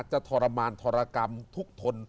ทรมานทรกรรมทุกทน